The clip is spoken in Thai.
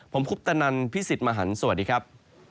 ผมคุปตนันพี่สิทธิ์มหันฯสวัสดีครับ